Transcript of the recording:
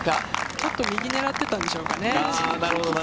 ちょっと右を狙っていたんでしょうかね。